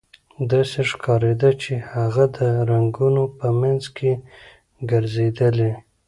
داسې ښکاریده چې هغه د رنګونو په مینځ کې ګرځیدلې